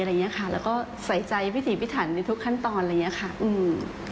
และสไตรใจพิธีพิถันในทุกขั้นตอน